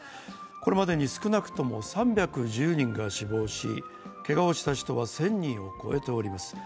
これまでに少なくとも３１０人が死亡し、けがをした人は１０００人を超えています。